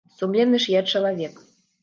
Сумленны ж я чалавек.